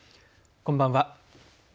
こんばんは。